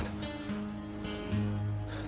tapi dimana bella ya